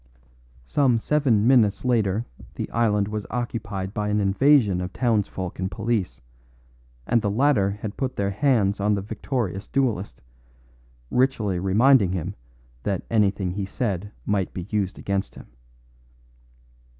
Some seven minutes later the island was occupied by an invasion of townsfolk and police, and the latter had put their hands on the victorious duellist, ritually reminding him that anything he said might be used against him.